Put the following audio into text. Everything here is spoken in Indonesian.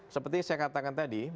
seperti saya katakan tadi